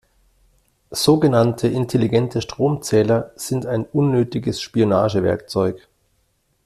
Sogenannte intelligente Stromzähler sind ein unnötiges Spionagewerkzeug.